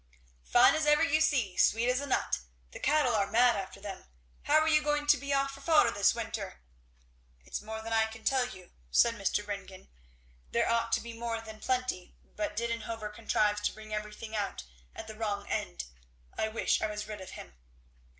"Fine as ever you see. Sweet as a nut. The cattle are mad after them. How are you going to be off for fodder this winter?" "It's more than I can tell you," said Mr. Ringgan. "There ought to be more than plenty; but Didenhover contrives to bring everything out at the wrong end. I wish I was rid of him."